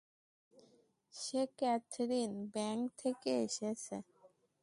সে Catherine, bank থেকে এসেছে।